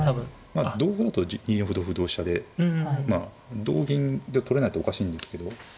まあ堂々と２四歩同歩同飛車でまあ同銀で取れないとおかしいんですけど。